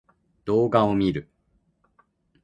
動画を見る